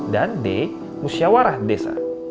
dan d musyawarah desa